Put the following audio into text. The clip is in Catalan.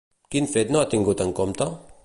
Quin fet no ha tingut en compte?